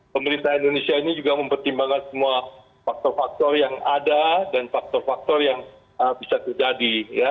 pemerintah indonesia ini juga mempertimbangkan semua faktor faktor yang ada dan faktor faktor yang bisa terjadi